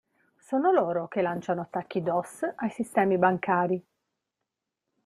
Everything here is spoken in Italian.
Sono loro che lanciano attacchi DoS ai sistemi bancari.